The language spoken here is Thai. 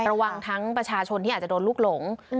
ระวังทั้งประชาชนที่อาจจะโดนลูกหลง